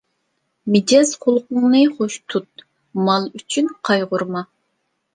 مىجەز خۇلقۇڭنى خوش تۇت، مال ئۈچۈن قايغۇرما.